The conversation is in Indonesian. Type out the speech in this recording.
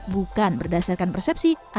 bukan berdasarkan persepsi atau pengalaman